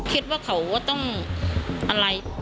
คิดว่าเค้าว่าต้องอะไร